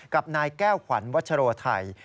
กับนายแก้วขวัญวัชโรไทย